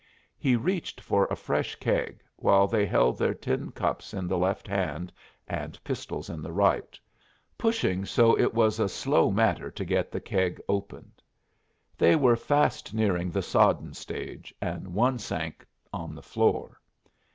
He reached for a fresh keg, while they held their tin cups in the left hand and pistols in the right, pushing so it was a slow matter to get the keg opened. They were fast nearing the sodden stage, and one sank on the floor.